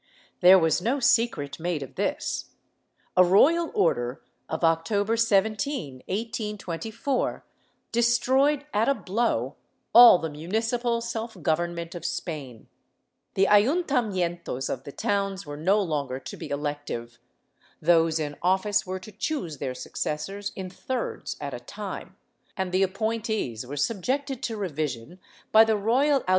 There was no secret made of this. A royal order of October 17, 1824, destroyed at a blow all the municipal self government of Spain ; the Ayuntamientos of the towns were no longer to be elect ive; those in office were to choose their successors in thirds at a time, and the appointees were subjected to revision by the royal ^ El Congreso de Verona, II, 283, 302.